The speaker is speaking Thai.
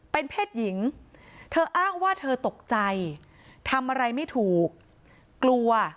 เป็นเพศหญิงเธออ้างว่าเธอตกใจทำอะไรไม่ถูกกลัว